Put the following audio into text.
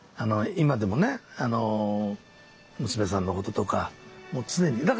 今でもね娘さんのこととかもう常に。